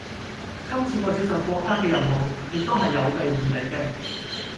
今次我接受國家嘅任務，亦都係有備而嚟嘅